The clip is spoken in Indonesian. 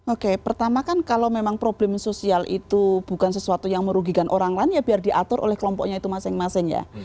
oke pertama kan kalau memang problem sosial itu bukan sesuatu yang merugikan orang lain ya biar diatur oleh kelompoknya itu masing masing ya